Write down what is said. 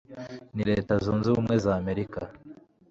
Ni Leta zunze ubumwe za Amerika